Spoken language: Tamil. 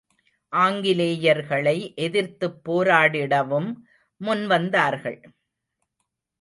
ஆங்கிலேயர்களை எதிர்த்துப் போராடிடவும் முன்வந்தார்கள்.